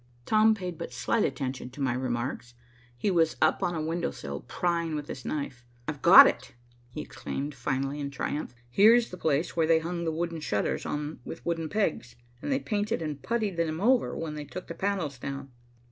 Tom paid but slight attention to my remarks. He was up on a window sill, prying with his knife. "I've got it," he exclaimed finally in triumph. "Here's the place where they hung the wooden shutters on with wooden pegs, and they painted and puttied them over when they took the panels down."